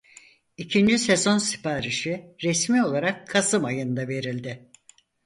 İkinci sezon siparişi resmi olarak Kasım ayında verildi.